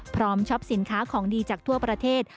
ช็อปสินค้าของดีจากทั่วประเทศ